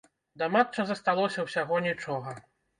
Да матча засталося ўсяго нічога!